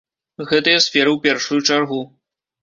Гэтыя сферы ў першую чаргу.